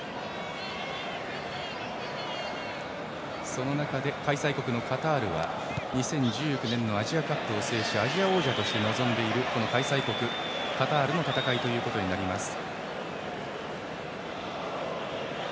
その中で開催国のカタールは２０１９年のアジアカップを制しアジア王者として臨んでいる開催国カタールの戦いとなります。